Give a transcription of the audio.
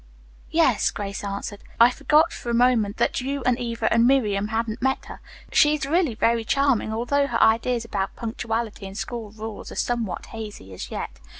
"Yes," Grace answered. "I forgot for a moment that you and Eva and Miriam hadn't met her. She is really very charming, although her ideas about punctuality and school rules are somewhat hazy as yet.